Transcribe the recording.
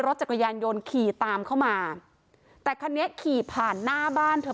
รถจักรยานยนต์ขี่ตามเข้ามาแต่คันนี้ขี่ผ่านหน้าบ้านเธอ